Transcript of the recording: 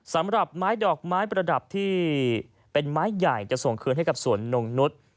สำหรับไม้ดอกไม้ประดับที่เป็นไม้ใหญ่จะส่งคืนให้กับสวนนงนุษย์